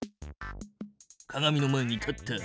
鏡の前に立った。